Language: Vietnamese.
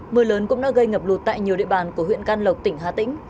mưa lớn cũng đã gây ngập lụt tại nhiều địa bàn của huyện can lộc tỉnh hà tĩnh